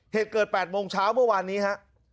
เหตุเกิด๘โมงเช้าเมื่อวานนี้ฮะ